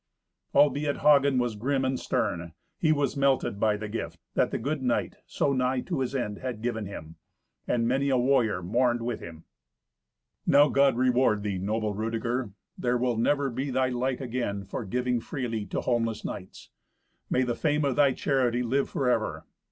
Albeit Hagen was grim and stern, he was melted by the gift that the good knight, so nigh to his end, had given him. And many a warrior mourned with him. "Now God reward thee, noble Rudeger; there will never be thy like again for giving freely to homeless knights. May the fame of thy charity live for ever.